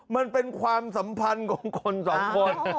มันเป็นความสัมพันธ์ของคนสองคน